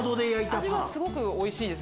味はすごくおいしいです。